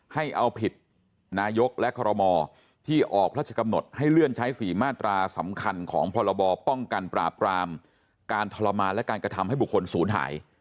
ให้เอาผิดนายกและคอรมอที่ออกพระราชกำหนดให้เลื่อนใช้๔มาตราสำคัญของพรบป้องกันปราบรามการทรมานและการกระทำให้บุคคลศูนย์หาย